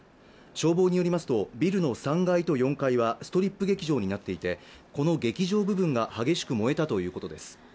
消防によりますと、ビルの３階と４階はストリップ劇場になっていてこの劇場部分がこの劇場部分が激しく燃えたということです